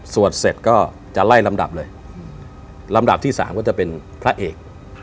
เสร็จก็จะไล่ลำดับเลยลำดับที่๓ก็จะเป็นพระเอก